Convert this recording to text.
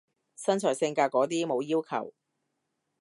身材性格嗰啲冇要求？